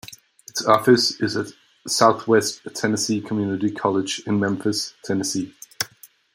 Its office is at Southwest Tennessee Community College in Memphis, Tennessee.